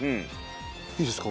いいですか？